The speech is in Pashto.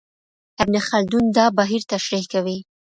ابن خلدون دا بهير تشريح کوي.